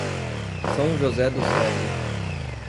São José do Cedro